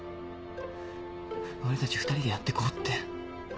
俺たち二人でやってこうって。